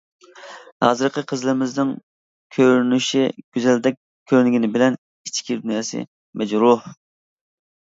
ھازىرقى قىزلىرىمىزنىڭ كۆرۈنۈشى گۈزەلدەك كۆرۈنگىنى بىلەن ئىچكى دۇنياسى مەجرۇھ!